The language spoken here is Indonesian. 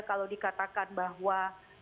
kalau dikatakan bahwa